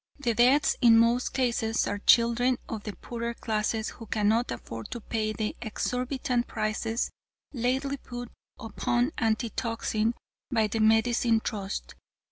The deaths in most cases are children of the poorer classes who cannot afford to pay the exorbitant prices lately put upon antitoxin by the Medicine Trust.